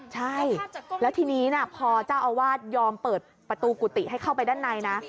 ใช่แล้วทีนี้พอเจ้าอาวาสยอมเปิดประตูกุฏิให้เข้าไปด้านในนะ